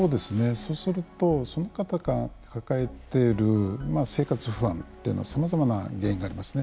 そうすると、その方が抱えている生活不安というのはさまざまな原因がありますね。